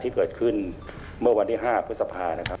ที่เกิดขึ้นเมื่อวันที่๕พฤษภานะครับ